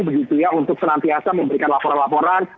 begitu ya untuk senantiasa memberikan laporan laporan